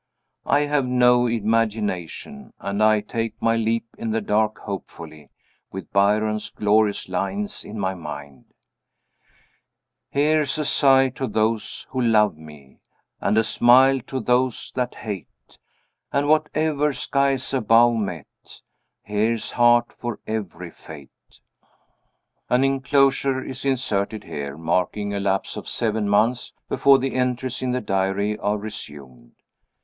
I have no imagination, and I take my leap in the dark hopefully with Byron's glorious lines in my mind: "Here's a sigh to those who love me, And a smile to those that hate; And whatever sky's above met Here's heart for every fate." (An inclosure is inserted here, marking a lapse of seven months, before the entries in the diary are resumed.